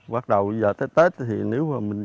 bắt đầu giờ tới tết thì nếu mà mình